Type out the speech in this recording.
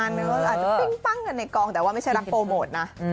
อาจจะปิ้งปั้งกันในกองแต่ว่าไม่ใช่รักโปรโมทนะ